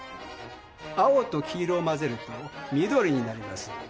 青と黄色を混ぜると緑になります。